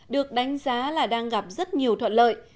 được đánh giá là đang gặp rất nhiều thuận lợi